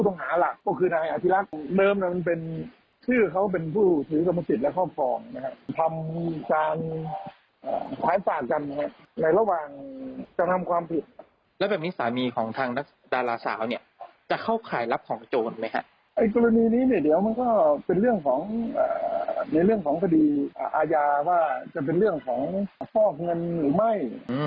ในเรื่องของอาญาว่าจะเป็นเรื่องของปลอกเงินหรือไม่